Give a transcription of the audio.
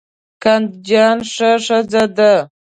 قندجان ښه ښځه ده.